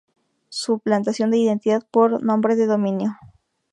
Suplantación de identidad por nombre de dominio.